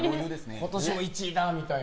ことしも１位だみたいな。